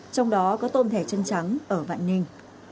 trong đó có tôm thẻ chân trắng ở vạn ninh